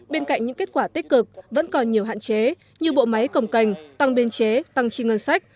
bên cạnh những kết quả tích cực vẫn còn nhiều hạn chế như bộ máy cồng cành tăng biên chế tăng trì ngân sách